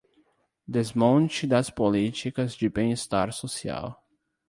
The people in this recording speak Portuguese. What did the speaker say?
Desmonte das políticas de bem estar social